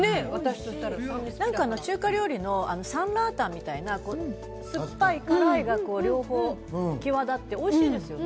中華料理のサンラータンみたいな酸っぱいと辛いが両方、際立っておいしいですよね。